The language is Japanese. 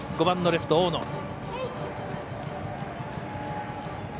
５番のレフト、大野。